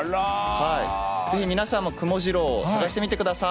ぜひ皆さんもくもジロー、探してみてください。